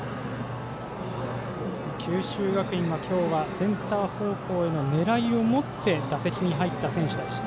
九州学院は今日はセンター方向への狙いを持って打席に入った選手たち。